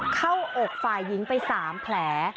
เข้าอกฝ่ายงค์ไป๓แผล